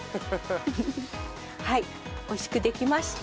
はい美味しくできました。